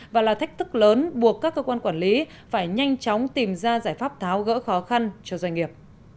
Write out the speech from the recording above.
và là thách thức lớn buộc các cơ quan quản lý phải nhanh chóng tìm ra giải pháp tháo gỡ khó khăn cho doanh nghiệp